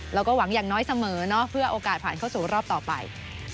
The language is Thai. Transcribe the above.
หวังอย่างน้อยเสมอเนาะเพื่อโอกาสผ่านเข้าสู่รอบต่อไป